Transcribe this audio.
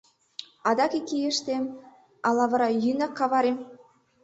Адак ик ий ыштем... ала вара йӱынак каварем?